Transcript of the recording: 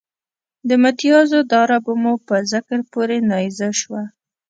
د متیازو داره به مو په ذکر پورې نیزه شوه.